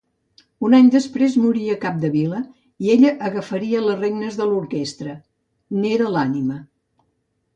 Un any després moria Capdevila i ella agafaria les regnes de l'orquestra: n'era l'ànima.